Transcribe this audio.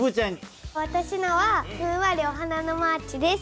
私のは「ふんわりお花のマーチ」です。